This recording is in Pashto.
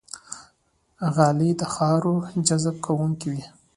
غالۍ د خاورو جذب کوونکې وي.